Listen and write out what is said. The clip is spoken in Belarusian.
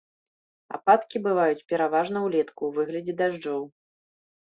Ападкі бываюць пераважна ўлетку ў выглядзе дажджоў.